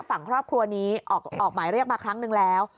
ฝั่งครอบครัวนี้ออกหมายเรียกมาครั้งนึงแล้ว